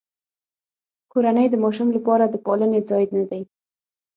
کورنۍ د ماشوم لپاره د پالنې ځای نه دی.